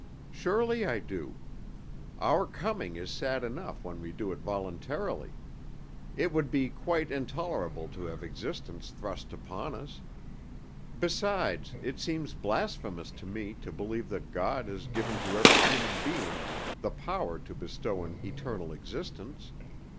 "Surely I do. Our coming is sad enough when we do it voluntarily. It would be quite intolerable to have existence thrust upon us. Besides, it seems blasphemous to me to believe that God has given to every human being the power to bestow an eternal existence.